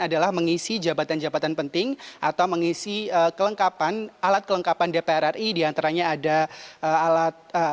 adalah mengisi jabatan jabatan penting atau mengisi kelengkapan alat kelengkapan dpr ri diantaranya ada alat